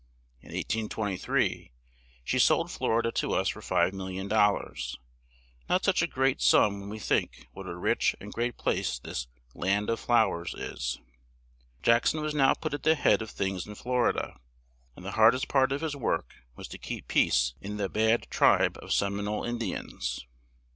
In 1823 she sold Flor i da to us for $5,000,000; not such a great sum when we think what a rich and great place this "Land of Flow ers" is. Jack son was now put at the head of things in Flor i da, and the hard est part of his work was to keep peace in the bad tribe of Sem i nole In di ans.